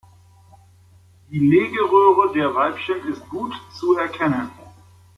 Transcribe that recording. Die Legeröhre der Weibchen ist gut zu erkennen.